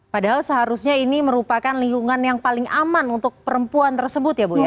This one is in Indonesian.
padahal seharusnya ini merupakan lingkungan yang paling aman untuk perempuan tersebut ya bu ya